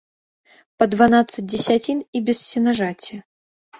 Па дванаццаць дзесяцін і без сенажаці.